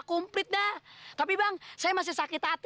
komplit dah tapi bang saya masih sakit hati